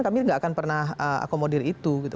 kami nggak akan pernah akomodir itu gitu